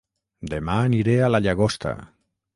Dema aniré a La Llagosta